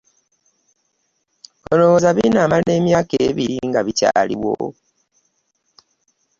Olowooza binaamala emyaka ebiri nga bikyaliwo?